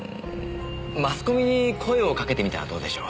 マスコミに声をかけてみたらどうでしょう？